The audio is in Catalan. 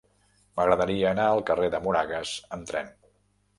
M'agradaria anar al carrer de Moragas amb tren.